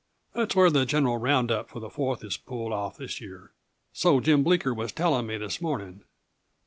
That's where the general round up for the Fourth is pulled off this year so Jim Bleeker was telling me this morning.